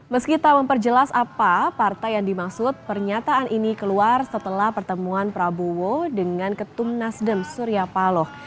meski tak memperjelas apa partai yang dimaksud pernyataan ini keluar setelah pertemuan prabowo dengan ketum nasdem surya paloh